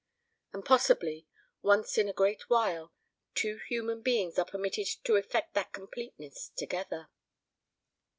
And, possibly, once in a great while, two human beings are permitted to effect that completeness together."